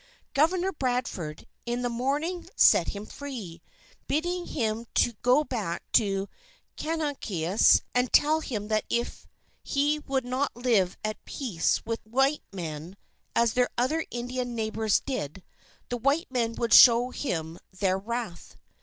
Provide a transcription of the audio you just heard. Governor Bradford, in the morning, set him free, bidding him go back to Canonicus and tell him that if he would not live at peace with the white men, as their other Indian neighbours did, the white men would show him their wrath.